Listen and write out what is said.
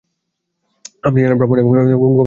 আপনি চালাক ব্রাহ্মণ এবং গৌতম বুদ্ধার গল্প শুনেছেন?